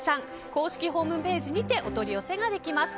公式ホームページにてお取り寄せができます。